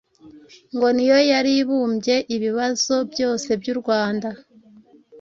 ngo ni yo yari ibumbye ibibazo byose by'u Rwanda.